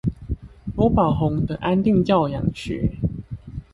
羅寶鴻的安定教養學